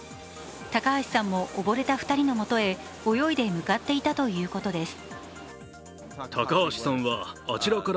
高橋さんもおぼれた２人のもとへ、泳いで向かっていたということです。